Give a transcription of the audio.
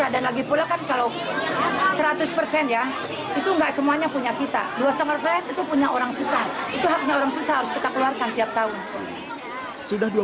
dua setengah peran itu punya orang susah itu haknya orang susah harus kita keluarkan tiap tahun